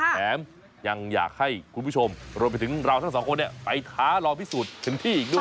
แถมยังอยากให้คุณผู้ชมรวมไปถึงเราทั้งสองคนไปท้ารอพิสูจน์ถึงที่อีกด้วย